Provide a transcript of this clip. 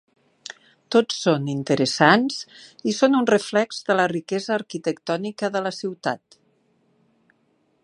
Tots són interessants i són un reflex de la riquesa arquitectònica de la ciutat.